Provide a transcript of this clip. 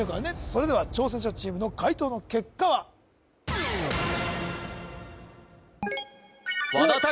それでは挑戦者チームの解答の結果は和田拓